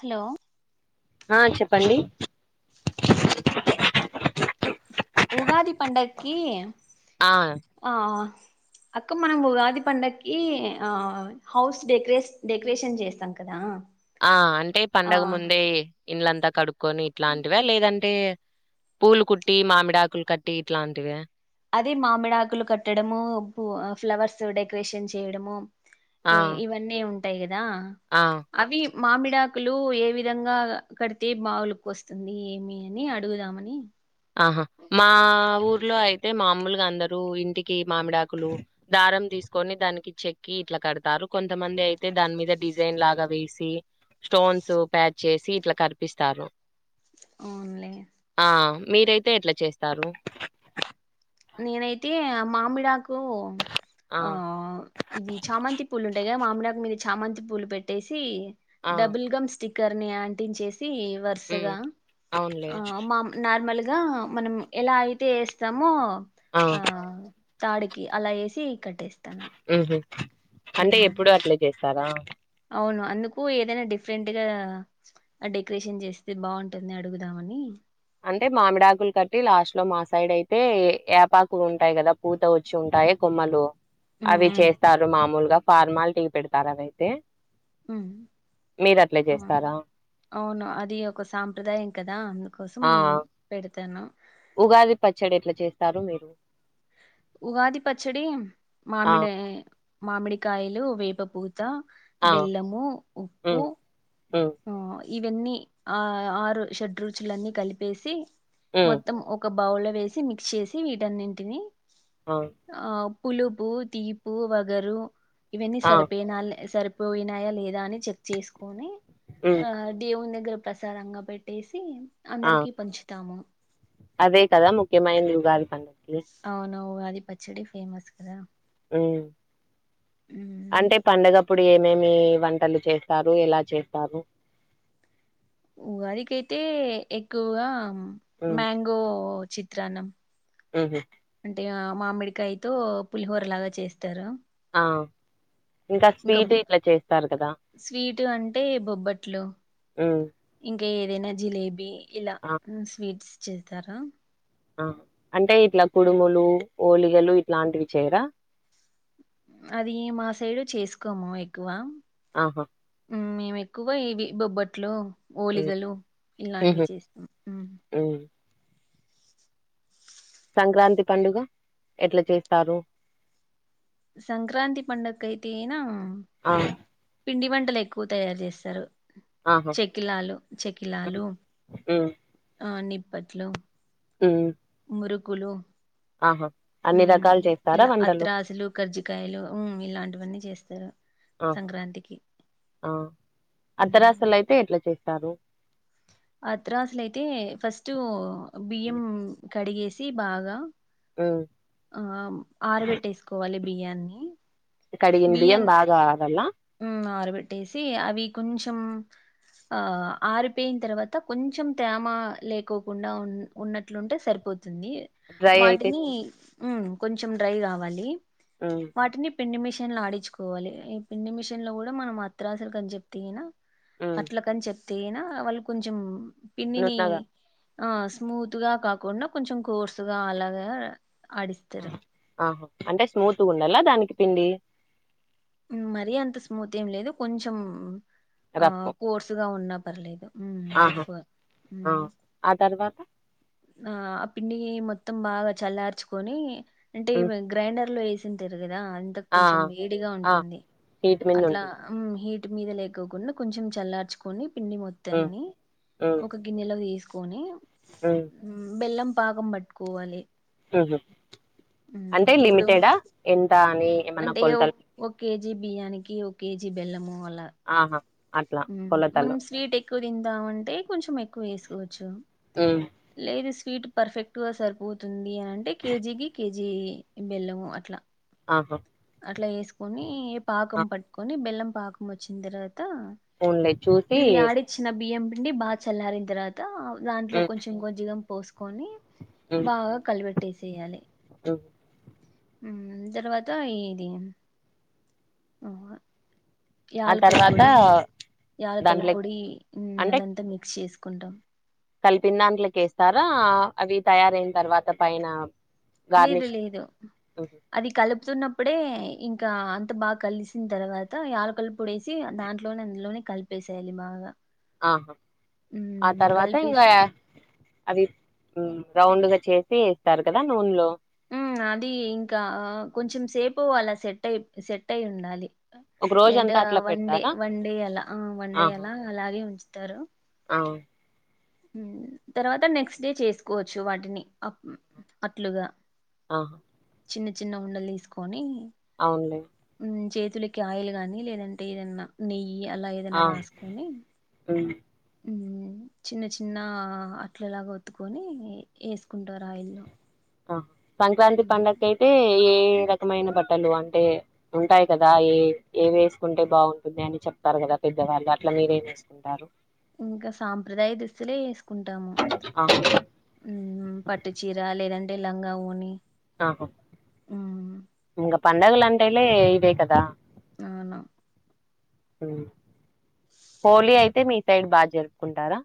Hello ఆ చెప్పండి ఉ ఉగాది పండక్కి ఆ ఆ అక్క మనం ఉగాది పండక్కి ఆ హౌస్ డెకరే డెకరేషన్ చేస్తాం కదా ఆ అంటే ఆ పండగ ముందే ఇల్లంతా కడు కొని ఇట్లాంటివా లేదం అంటే పూలు కుట్టి మామిడాకులు కట్టి ఇట్లాంటివా అదే మామిడి ఆకులు కట్టడము పూ ఆ ఫ్లవర్స్ డెకరేషన్ చేయడము ఆ ఏ ఇవన్నీ ఉం టాయి క దా ఆ అవి మామిడాకులు ఏ విధంగా కడితే బాగ లుక్ వస్తుంది ఏమి అని అడుగుదామని ఇంట్లో అయితే మాములుగా అందరూ ఇంటికి మామిడాకులు దారం తీసుకొని దానికి చెక్కి ఇట్లా కడతారు కొంతమంది అయితే దాని మీద డిజైన్ లాగా వేసి స్టోన్స్ ప్యాక్ చేసి ఇట్లా కనిపిస్తారు అవున్లే మీరయితే ఎట్లా చేస్తారు నేనైతే ఆ మామిడాకు ఓ ఆ ఇది చామంతి పూలు ఉంటయి కదా మామిడాకు మీద చామంతి పూలు పెట్టేసి తీ ఆ డబుల్ గమ్ స్టిక్ కర్ని ఆంటించేసి తీ ఉమ్ వరసగా అవునులే ఆ మా నార్మల్ గ మనం ఎలా అయితే యేస్తామో ఆ తాడుకి అలా యేసి కట్టేస్తాన ఉహు అంటే ఎప్పుడు అట్లేచే స్తారా అవును అందుకు ఏదైనా డిఫరెంట్గా డెకరేషన్ చేస్తే బాగుంటుంది అడుగుదామని అంటే మామిడి ఆకులు కట్టి లాస్ట్ లో మా సైడ్ అయితే ఏపాకులు ఉంటాయి కదా పూత వచ్చి ఉంటాయి కొమ్మలు ఉమ్, అవి ఉమ్, చేస్తారు మామూలుగా ఫార్మాల్ టీకి పెడతార అదైతే ఉహ్ అవును చేస్తారా? అవును అది ఒక సాంప్రదాయం కదా కోసం ఆ! పెడు తను ఉగాది పచ్చడి ఎట్లా చేస్తారు మీరు ఉగాది పచ్చడి ఆ! మామిడి మామిడికాయలు వేప పూవ్ తో బెల్లము ఉప్పు ఉ ఆ ఇవన్నీ ఆ ఆరు షడ్రుచులన్ని కలిపి పెసి హ్మ్. మొత్తం ఒక బౌల్ లో వేసి మిక్స్ చేసి వీటన్నింటినీ ఆ! ఆ పులుపు తీపు వగరు ఇవన్నీ ఆ! సరిపోయేనల్లె సరి పోయినాయ లేదా అని చెక్ చేసుకొని హ్మ్. ఆ దేవుని దగ్గర ప్రసాదంగా పెట్టేసి ఆ! అందరికి పంచుతాము అదే కదా ముఖ్యమైంది ఉగాది పండుగ అవును ఉగా ది పచ్చడి ఫేమస్ కదా ఉ ఉమ్. అంటే పండగ ప్పుడు ఏమేమి వంటలు చేస్తారు ఎలా చేస్తారు ఉగాదికయితే ఎక్కువగా హ్మ్. మ్యాంగో చిత్రాన్నం హుహు. అంటే ఆ మామిడికాయతో పులిహోర లాగా చేస్తారు. ఆ ఇంకా స్వీట్ ఇట్లా చేస్తారు కదా! స్వీట్ అంటే బొబ్బట్లు హ్మ్. ఇంకా ఏదైనా జిలేబీ ఇలా ఆ! స్వీట్స్ చేస్తారా ఆ అంటే ఇట్లా కుడుములు ఓలిగలు ఇట్లాంటివి చేయరా అది మా సైడు చేసుకోము ఎక్కువ ఆహా మేము ఎక్కువ ఇవి బొబ్బట్లో ఉమ్ ఒలిగలు ఇలాంటివి ఉహు చేస్తాం ఉ ఉమ్ సంక్రాంతి పండుగ ఎట్ల చేస్తారు. సంక్రాంతి పండకైతేనా ఆ టలేక్కువ తయారు చేస్తారు. ఆహా చెక్కిలాలు చెక్కిలాలు ఉమ్ ఆ ని నిప్పట్లు ఊ మురుకులు ఆహా ఊ అన్ని రకాలు చేస్తారా ఇలా వంటలు అత్రాసులు కర్జికాయలు ఊ ఇలాంటివన్నీ చేస్ స్సరు. ఆహా ఆ మ్మ్ అత్తరాసులు అయితే ఎట్లా చేస్ స్తారు. అత్రసూలయితే ఫస్ట్ బియ్యం కడిగేసి సి బాగా అ ఆ ఆరబెట్టేసుకోవాలి బియ్యాన్ని కడిగిన బియ్యం బాగా ఆరల్ల ఆ ఆరబెట్టేసి అవి కొంచెం ఆ ఆరిపోయిన తర్వాత కొంచెం తేమ లేకోకుండా ఉ ఉన్నట్లుంటే సరిపోతు తుంది డ్రై అయితే వాటిని ఉ కొంచెం డ్రై కావాలి. ఉమ్ వాటిని పెండి మిషన్ ఆడించుకోవాలి పిండి మిషన్ లో కూడా మనం అత్రసలు కని చెప్తే తియినా ఉమ్ అట్లకని చెప్ తేనా వాళ్ళు కొంచెం పిండి నీ నున్నగా ఆ స్మూత్ గా కాకుండా కొంచెం కోర్సుగా అలాగా అడిస్తారు ఆహా అంటే స్మూత్ ఉండాల దానికి పిండి మరీ అంత స్మూత్ ఏం లేదు కొంచెం ఆ రఫ్ కోర్సుగా ఉన్నప్పు పర్లేదు ఆహా రఫ్గా ఆ తర్వాత ఆ పిండి మొత్తం బాగా చల్లార్చుకొని అంటే ఉమ్ గ్రైండర్ లో వేసి తింటెరు కదా అంతకు ఆ కొంచెం వేడిగా ఉం ఆ హీట్ మింద అట్లా ఉంటుంది హీట్ మీద లేకోకుండా కొంచెం చల్లార్చుకొని పిండి ఉమ్ మొత్తాన్ని ఉమ్, ఒక గిన్నెలో తీసుకు పోనీ ఉమ్, బెల్లం పాకం పట్టుకోవాలి మ్మ్ హ్మ్ మ్, అంటే ఇప్పుడు లిమిటెడా ఎంత అని ఏమన్నా అంటే కొలతలు ఓకే కేజీ బియ్యానికి ఒక కేజీ బెల్లము అలా ఆహా అట్లా మ్మ్ మనం కొలతలు స్వీట్ ఎక్కువ తింటే టామంటే కొంచెం ఎక్కువ వేసుకోవచ్చు ఉమ్, లేదుసు స్వీట్ పర్ఫెక్ట్ గా సరిపోతుంది అంటే కేజీకి కేజీ బెల్లము అట్ల ఆహా అట్లా వేసుకొని పాకం పట్టుకొని బెల్లం పాకం వచ్చింది తర్వాత ఉన్లే చూసి అండి బాగా చల్లారిన తర్వాత దాంట్లో ఉమ్, కొంచెం కొంచెగా పోస్ కొని ఉమ్, బాగా కలిపెట్ ఏసెయ్యాలి ఉమ్. ఉ తర్వాత ఈ ది ఆ ఆ యాలకుల తర్వాత పొడి యాలకుల దాంట్లో పొడి అంటే అదంతా మిక్స్ చేసుకు ఉంటా కలిపిన దాంట్లకేస్తారా అవి తయారన తర్వాత పైన లేదు గార్నిష్ లేదు ఉహు, అది కలుపుతున్నప్పుడే ఇంకా అంత బాగా కలిసిన తర్వాత యాలకల్లు పొడేసి దాంట్లోనే అందులోనే కలిపేసేయాలి బాగా ఆహా ఆ ఉమ్, తర్వాత కలిపేసి ఇంకా అవి ఉ రౌండ్గా చేసి ఏస్తారు కదా నూనలో ఉ అది ఇంకా కొంచెం సేపు అలా సెట్ అయి సెట్ అయి ఉండాలి ఒక లేంటే రోజంతా అట్లా వన్ డే పెడతారా వన్ డే అలా ఆ వన్ డే అలా అలాగే ఉంచు తరు అ ఉ తర్వాత నెక్స్ట్ డే చేసుకోవచ్చు వాటిని అట్లుగా ఆ చిన్న చిన్న ఉండలు తీసుకొని అవునులే తులకి ఆయిల్ నీ లేదంటే ఏదన్నా నెయ్యి ఈ అలా ఏదైనా ఆ రాసుకొని ఉమ్. ఉ చిన్న చిన్న అట్లలాగా ఒత్తుకొని వేసుకుంటారు ఆయిల్లో ఆ సంక్రాంతి పండకి అయితే ఏ రకమైన బట్టలు అంటే ఉంటాయి కదా ఏ ఏ వేసుకుంటే బాగుంటుంది అని చెప్తారు కదా పెద్దవాళ్ళు అట్లా మీరేం వేసుకుంటారు ఇంకా సాంప్రదాయ దుస్తులే వేసుకుంటాము ఆహా ఉ పట్టుచీర లేద లంగా వోని ఆహా ఇంగ పండుగలు అంటేలే ఇవే కదా అవును ఉ హోలీ అయితే మీ సైడ్ బాగా జరుపుకుంటారా.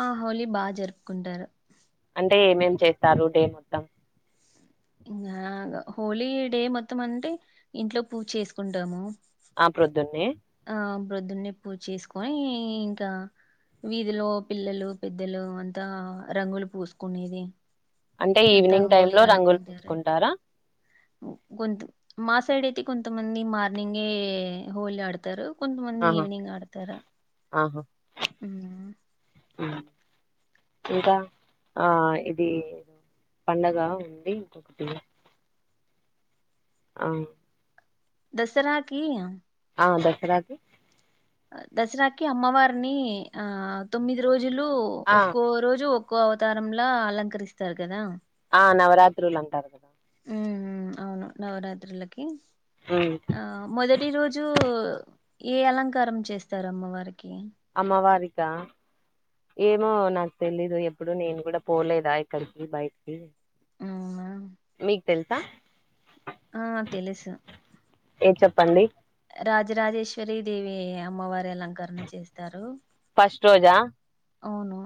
ఆ హోలీ బాగా జరుపుకుంటారు. అంటే ఏమేం చేస్తారు డే మొత్తం ఇంకా హోలీ డే మొత్తం అంటే ఇంట్లో పూజ చేసుకుంటాము. ఆ ప్రొద్దునే ఆ ప్రొద్దున్నే పూజ చేసుకొని, ఇంకా వీధిలో పిల్లలు, పెద్దలు అంతా రంగులు పూసుకునేది. అంటే అంతా ఈవినింగ్ టైమ్ హోలీ లో రంగులు ఆడుకుంటారు పూసుకుంటారా. కొంత మా సైడ్ అయితే కొంతమంది మార్నింగే హోలీ ఆడతారు. కొంతమంది ఆహా ఈవినింగ్ ఆడతార ఆహా ఊ ఇంకా ఆ ఇది పండగ ఉంది. ఆ దసరాకి ఆ ఆ దసరాకి దసరాకి అమ్మవారిని ఆ తొమ్మిది రోజు రోజులు ఆ ఒక్కో రోజు ఒ ఒక్కో అవతారంలా అలంకరిస్తారు కదా. ఆ నవరాత్రులు అంటారు. ఉహూ అవును నవరాత్రులకి ఆ మొదటి రోజు ఏ అలంకారం చేస్తారు అమ్మవారికి. అమ్మ వారికా ఏమో నాకు తెలీదు ఎప్పుడు నేను కూడా పోలేదా ఎక్కడికి బయటికి ఊ అవునా మీకు తెల్సా ఆ తెలుసు ఏ చెప్పండి రాజరాజేశ్వరి దేవి అమ్మవారి అలంకరణ చేస్తారు. ఫస్ట్ రోజా అవును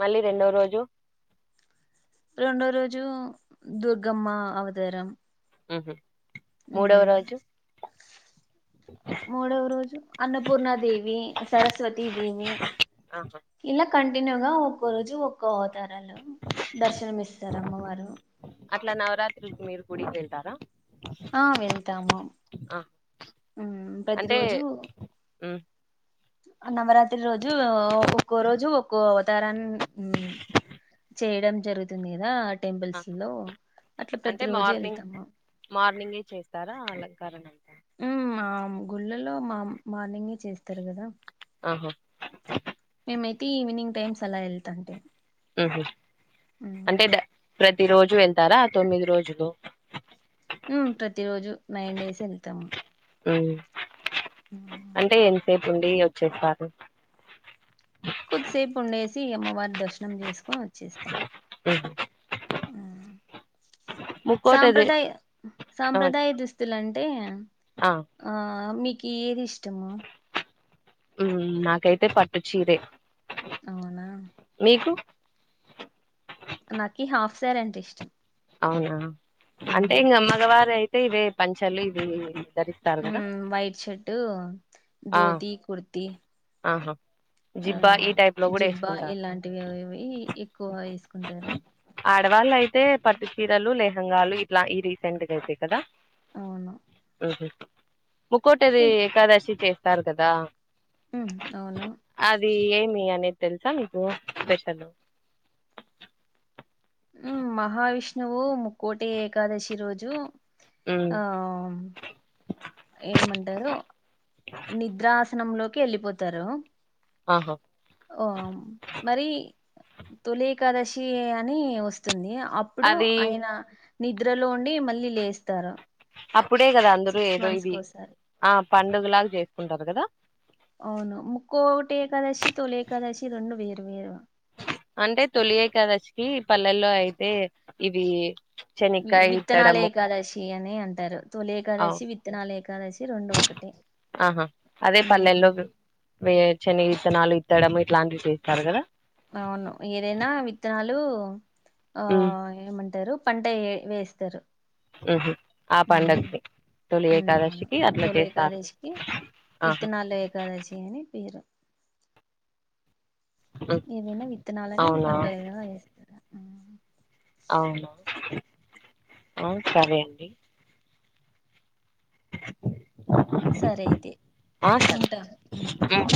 మళ్ళీ రెండో రోజు రెండో రోజు దుర్గమ్మ అవతారం. ఊహు మూడవ ఉమ్ రోజు మూడవ రోజు అన్నపూర్ణ దేవి, సరస్వతి దేవి ఆహా ఇలా కం టిన్యూగా ఒక్కో రోజు ఒక్కో అవతారం. అవతారంలో దర్శనం ఇస్తారు అమ్మవారు. అట్లా నవరాత్రికి మీరు గుడికి వెళ్తారా ఆ వెళ్తాము. ఆ ఊ ప్రతి అంటే రోజు ఉమ్ నవరాత్రి రోజు ఒక్కో రోజు ఒ ఒక్కో అవతారన్ చేయడం జరుగుతుంది కదా టెంపుల్స్ ఆహా లో అట్లా అంటే ప్రతి రోజు మార్నింగ్ వెళ్తాము మార్నింగే చేసరా అలాగ అలంకరణ మ్మ్ మా గుళ్ళల్లో మా మార్నింగే చేస్తరు కదా ఉహూ మైతే ఈవినింగ్ టైమ్స్ అలా వెళ్తం అంతే ఉహూ అంటే ద ప్రతి ప్రతి రోజు వెల్తారా ఆ తొమ్మిది రోజులు ఊ ప్రతీ రోజు నైన్ డేస్ వెళ్తాము ఉమ్ సేపు ఉండి వచ్చేస్తారు కొద్దిసేపు ఉండేసి అమ్మవారి దర్శనం చేసుకొని వచ్చేత్తం ఉ అదే సాంప్రదాయ ఆ సాంప్రదాయ దుస్తులు అంటే ఆ మీక్ ఏది ఇష్టము ఉమ్ నాకైతే పట్టు చీరే అవునా నికు నాకి హాఫ్ సారి అంటే ఇష్టం అవునా అంటే ఇంగా మగవారు అయి ఇవే పంచలు ఇవే వి ఉమ్ వైట్ షర్ట్ ఆ ధోతి కుర్తి ఆహా ఆ జిబ్బా ఈ టైప్ లో కూడా జిబ్బా వేసుకుంటారు ఇలాంటివి అవి ఎక్కువ వేసుకుంటార లు లెహంగాలు ఇట్లా ఈ రీసెంట్ గా అయితే కదా అవును ఉహు ముక్కోటది ఏకాదశికి అంటరు కదా ఉ అవునా మీ అనేది తెలుసా మీకు బెస్ట్ అనో ఉమ్ మహావిష్ణువు ముక్కోటి ఏకాదశి రోజు మ్మ్ ఆ ఏమంటారో నిద్రాసనంలో వెళ్ళిపోతారు ఆహా ఓ మరి తొలిఏకాదశి అని వస్తుంది అప్పుడు అది అయిన నిద్రలో ఉండి మళ్ళీ లేస్తారు అప్పుడే కదా అందరు సిక్స్ ఏదో మంత్స్ ఇది కోసారి ఆ పండుగలాగా చేసుకుంటారు వు కదా అవును ముక్కోటి ఏకాదశి తొలి ఏకాదశి రెండు వేరు వేరు అంటే తొలిఏకాదశికి పల్లెల్లో అయితే ఇది వి విత్తనాల ఏకాదశి అని అని అంటారు తొలి అవు ఏకాదశి విత్తనాలు ఏకాదశి రెండు ఒకటి ఆహా అదే పల్లెల్లో వే శనగ విత్తనాలు ఇత్తడము ఇట్లాంటివి చూస్తారు కదా అవును ఏదైనా విత్తనాలు ఆ ఉమ్ ఏమంటారు పంట వే వేస్తారు ఉహు ఆ ఉమ్, పడుగకి తొలి ఉమ్, అవును ఏకాదశికి అట్లా తొలి చేస్తారు ఏకాదశికి ఆహా విత్తనాలు ఏకాదశి అని పేరు ఉమ్, ఏవైనా విత్తనాలని అవునా పంటదేగర వేస్తార అవునా ఆ సరే అండి సరే అయితే ఆ సరే ఉంటా హుమ్ ఉమ్.